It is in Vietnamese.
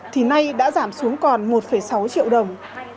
thì nay đã giảm xuống còn một sáu triệu đồng